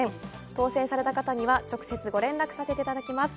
当せんされた方には、直接ご連絡させていただきます。